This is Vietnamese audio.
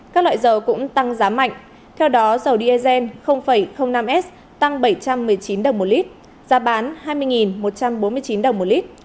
các loại dầu cũng tăng giá mạnh theo đó dầu diesel năm s tăng bảy trăm một mươi chín đồng một lít giá bán hai mươi một trăm bốn mươi chín đồng một lít